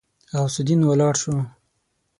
غوث الدين ولاړ شو.